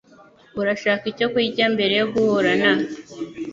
Urashaka icyo kurya mbere yo guhura na ?